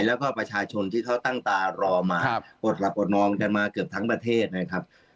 แล้วก็ประชาชนที่เขาตั้งตารอมาอดหลับอดนอนกันมาเกือบทั้งประเทศนะครับ